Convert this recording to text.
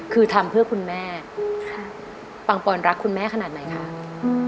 คือทำเพื่อคุณแม่ค่ะปังปอนรักคุณแม่ขนาดไหนคะอืม